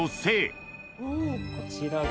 こちらが。